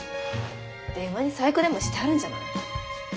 電話に細工でもしてあるんじゃない？